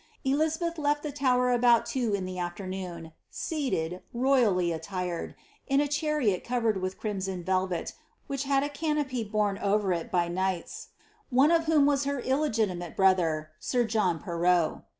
Elizabeth left the Tower about two in the afternoon, seated, royally attired, in a chariot covered with crimson velvet, which had a canopy borne over it by knights, one of whom was her illegitimate brother, sir John Perrot.